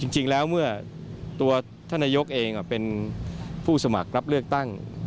จริงแล้วเมื่อตัวท่านนายกเองเป็นผู้สมัครรับเลือกตั้ง